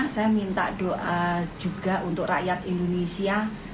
saya minta doa juga untuk rakyat indonesia